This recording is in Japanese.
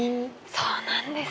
そうなんです。